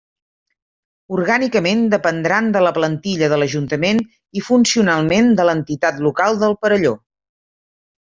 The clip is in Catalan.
Orgànicament dependran de la plantilla de l'ajuntament i funcionalment de l'entitat local del Perelló.